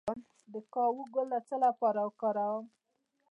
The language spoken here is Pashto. د کاهو ګل د څه لپاره وکاروم؟